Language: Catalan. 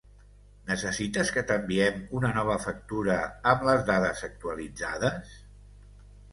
Necessites que t'enviem una nova factura amb les dades actualitzades?